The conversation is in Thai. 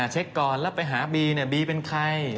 เช็คก่อนแล้วไปหาบีบีเป็นใคร